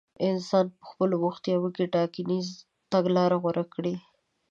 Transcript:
انسان په خپلو بوختياوو کې ټاکنيزه تګلاره غوره کړي.